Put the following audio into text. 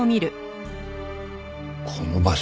この場所。